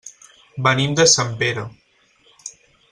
Venim de Sempere.